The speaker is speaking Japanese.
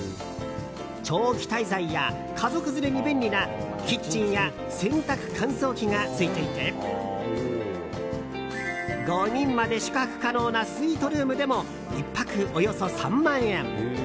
長期滞在や家族連れに便利なキッチンや洗濯乾燥機がついていて５人まで宿泊可能なスイートルームでも１泊およそ３万円。